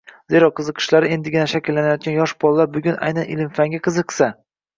Zero, qiziqishlari endigina shakllanayotgan yosh bolalar bugun aynan ilm-fanga qiziqishsa